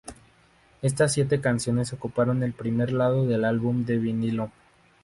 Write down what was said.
Estas siete canciones ocuparon el primer lado del álbum de vinilo.